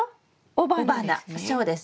雄花そうです。